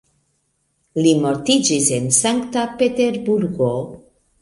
Li mortiĝis en Sankta Peterburgo.